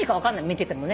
見ててもね。